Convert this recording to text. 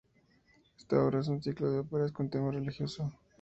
Esta obra es un ciclo de óperas con tema religioso.